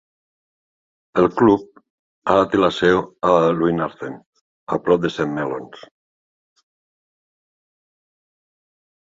El club ara té la seu a Llwynarthen, a prop de Saint Mellons.